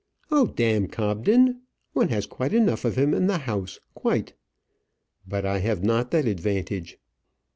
"Oh, d Cobden! One has enough of him in the House, quite." "But I have not that advantage."